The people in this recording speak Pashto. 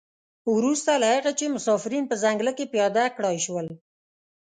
وروسته له هغه چې مسافرین په ځنګله کې پیاده کړای شول.